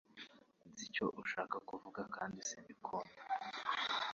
Nzi icyo ushaka kuvuga kandi simbikunda